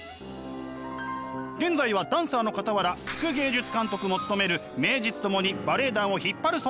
現在はダンサーのかたわら副芸術監督も務める名実ともにバレエ団を引っ張る存在。